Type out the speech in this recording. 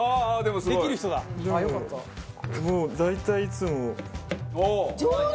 もう大体いつも。